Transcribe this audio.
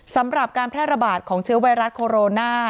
สำหรับการแพร่ระบาดของเชื้อไวรัสโคโรนา